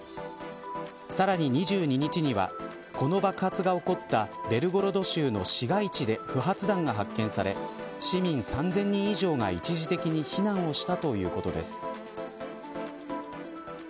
さらに２２日にはこの爆発が起こったベルゴロド州の市街地で不発弾が発見され市民３０００人以上が一時的に避難をしたということです。